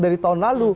dari tahun lalu